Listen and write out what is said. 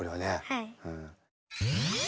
はい。